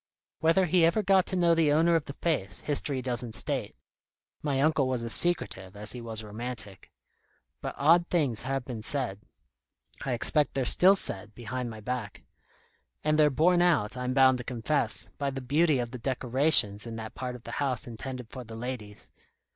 Whether he ever got to know the owner of the face, history doesn't state: my uncle was as secretive as he was romantic. But odd things have been said. I expect they're still said, behind my back. And they're borne out, I'm bound to confess, by the beauty of the decorations in that part of the house intended for the ladies.